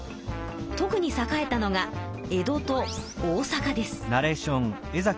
特に栄えたのが江戸と大阪です。